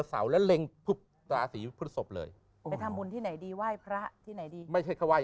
สาวและระลงภูปุฆาสีฤทธิ์ศพเลยแล้วมันทำบุญที่ไหนดีไหว้พระที่ไหนไม่ก็ไว้